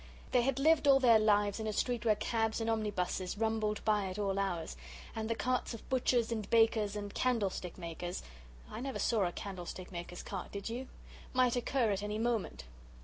They had lived all their lives in a street where cabs and omnibuses rumbled by at all hours, and the carts of butchers and bakers and candlestick makers (I never saw a candlestick maker's cart; did you?) might occur at any moment.